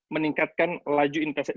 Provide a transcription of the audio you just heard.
meningkatkan laju investasi